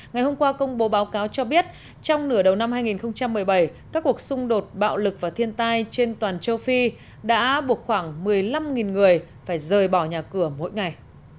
ngày hôm qua công bố báo cáo cho biết trong nửa đầu năm hai nghìn một mươi bảy các cuộc xung đột bạo lực và thiên tai trên toàn châu phi đã buộc khoảng một mươi năm người phải rời bỏ nhà cửa mỗi ngày